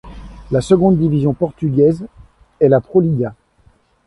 La seconde division portugaise est la Proliga.